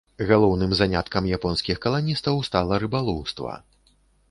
Галоўным заняткам японскіх каланістаў стала рыбалоўства.